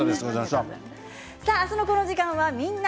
明日のこの時間は「みんな！